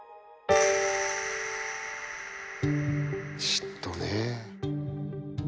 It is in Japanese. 嫉妬ねえ。